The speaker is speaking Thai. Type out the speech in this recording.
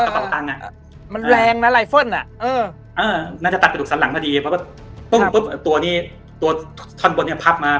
เพราะว่าปุ้งปุ๊บตัวนี้ตัวท่อนบนเนี้ยพับมา